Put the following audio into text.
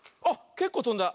けっこうとんだ。